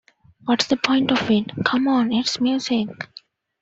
What's the point of it?' C'mon, it's music!